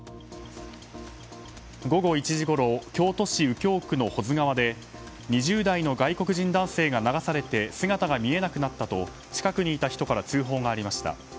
午後１時ごろ京都市右京区の保津川で２０代の外国人男性が流されて姿が見えなくなったと近くにいた人から通報がありました。